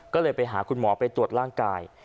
ก็เลยไปหาคุณหมอไปตรวจร่างกาย